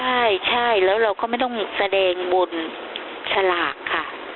ใช่ใช่แล้วเราก็ไม่ต้องแสดงบนสลากค่ะ